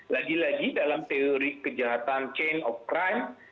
lagi lagi dalam teori kejahatan chain of crime